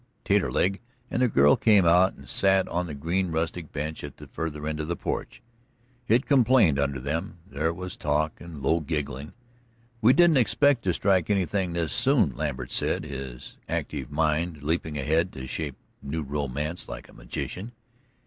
Taterleg and the girl came out and sat on the green rustic bench at the farther end of the porch. It complained under them; there was talk and low giggling. "We didn't expect to strike anything this soon," Lambert said, his active mind leaping ahead to shape new romance like a magician.